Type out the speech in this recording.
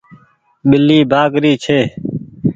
ٻلي ڀآگ ري ڇي۔